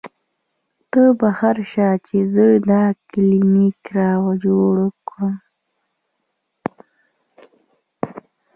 تۀ بهر شه چې زۀ دا کلینک را جارو کړم " ـ